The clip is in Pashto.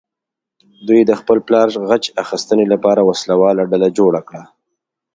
دوی د خپل پلار غچ اخیستنې لپاره وسله واله ډله جوړه کړه.